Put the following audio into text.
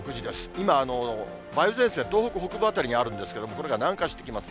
今、梅雨前線、東北北部辺りにあるんですけど、これが南下してきます。